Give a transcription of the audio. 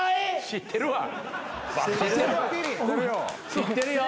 知ってるよ。